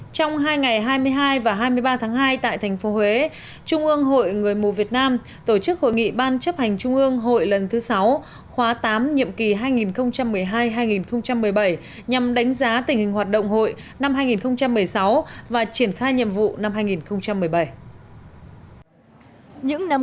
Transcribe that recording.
trong hai ngày hai mươi hai và hai mươi ba tháng hai tại tp huế trung ương hội người mù việt nam tổ chức hội nghị ban chấp hành trung ương hội lần thứ sáu khóa tám nhiệm kỳ hai nghìn một mươi hai hai nghìn một mươi bảy nhằm đánh giá tình hình hoạt động hội năm hai nghìn một mươi sáu và triển khai nhiệm vụ năm hai nghìn một mươi bảy